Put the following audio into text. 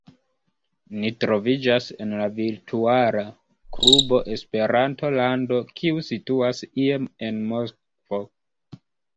Ni troviĝas en la virtuala klubo “Esperanto-lando, kiu situas ie en Moskvo.